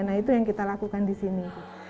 nah itu yang kita lakukan di sini